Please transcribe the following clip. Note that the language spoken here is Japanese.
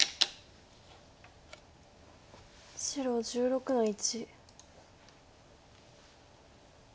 白１６の一。